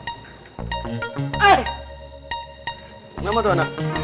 kenapa tuh anak